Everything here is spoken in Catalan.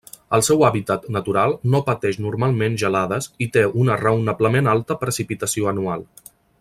El seu hàbitat natural no pateix normalment gelades i té una raonablement alta precipitació anual.